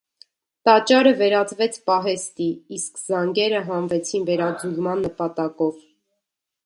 Տաճարը վերածվեց պահեստի, իսկ զանգերը հանվեցին վերաձուլման նպատակով։